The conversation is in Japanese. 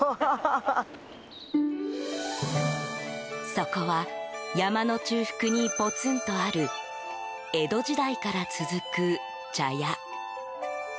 そこは、山の中腹にぽつんとある江戸時代から続く茶屋。